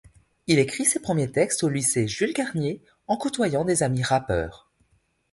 Il écrit ses premiers textes au lycée Jules Garnier en côtoyant des amis rappeurs.